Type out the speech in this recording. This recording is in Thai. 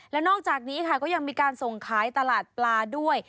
แล้วนอกจากนี้ค่ะก็ยังมีการส่งขายตลาดปลาด้วย